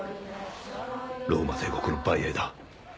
ローマ帝国のバイアエだ